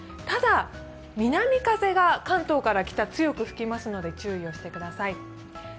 ただ南風が関東から北、強く吹きますので注意してください。